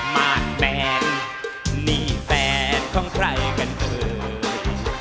มาร์ทแมนนี่แฟนของใครกันเผย